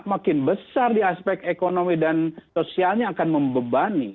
makin besar di aspek ekonomi dan sosialnya akan membebani